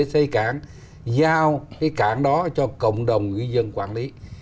xây cảng giao cái cảng đó cho cộng đồng người dân quản lý